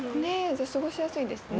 じゃあ過ごしやすいですね。